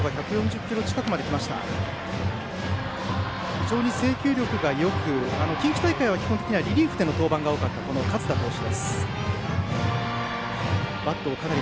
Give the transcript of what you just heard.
非常に制球力がよく近畿大会では基本的にリリーフでの登板が多かった勝田投手。